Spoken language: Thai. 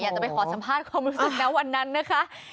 อยากจะไปขอสัมภาษณ์ความรู้สึกนะวันนั้นนะคะ